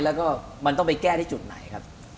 แล้วก็มันต้องไปแก้ที่จุดไหนครับ